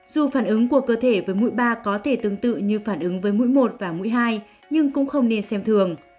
dù phản ứng của cơ thể với mũi ba có thể tương tự như phản ứng với mũi một và mũi hai nhưng cũng không nên xem thường